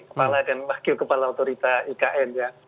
kepala dan wakil kepala otorita ikn ya